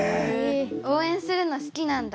応援するの好きなんだ。